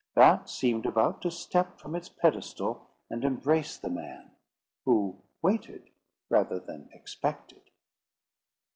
That seemed about to step from its pedestal and embrace the man, who waited rather than expected.